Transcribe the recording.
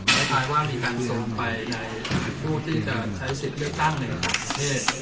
สมไปกับผู้ที่จะใช้สิทธิ์เรียกตั้งในฐังประเทศ